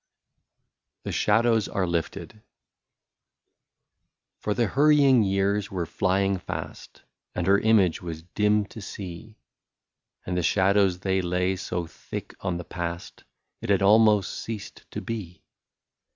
95 THE SHADOWS ARE LIFTED. For the hurrying years were flying fast, And her image was dim to me, And the shadows, they lay so thick on the past, It had almost ceased to be.